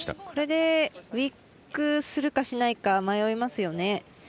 これでウイックするかしないか迷いますよね。